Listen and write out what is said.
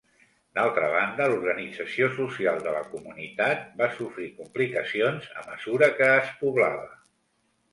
D'altra banda, l'organització social de la comunitat va sofrir complicacions a mesura que es poblava.